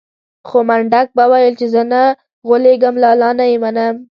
خو منډک به ويل چې زه نه غولېږم لالا نه يې منم.